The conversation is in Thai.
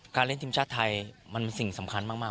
เล่นทีมชาติไทยมันสิ่งสำคัญมาก